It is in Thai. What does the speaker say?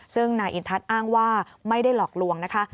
ซึ่งนายอินทัศน์อ้างว่าไม่ได้หลอกลวงนะคะ